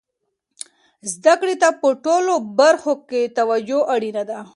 زده کړې ته په ټولو برخو کې توجه اړینه ده.